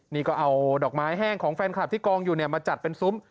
นี่ก็เอาดอกไม้แห้งของแฟนคลับที่กองอยู่เนี่ยมาจัดเป็นซุ้ม